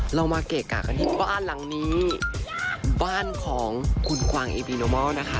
เรามาเกะกะกันที่บ้านหลังนี้บ้านของคุณกวางอิบิโนมอลนะคะ